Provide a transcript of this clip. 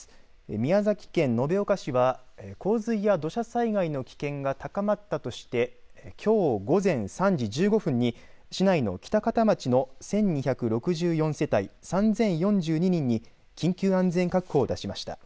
宮崎県延岡市は洪水や土砂災害の危険が高まったとしてきょう午前３時１５分に市内の北方町の１２６４世帯３０４２人に緊急安全確保を出しました。